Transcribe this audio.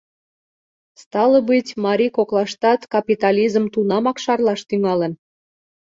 Стало быть, марий коклаштат капитализм тунамак шарлаш тӱҥалын.